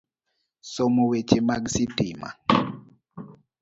Somo weche mag sitima,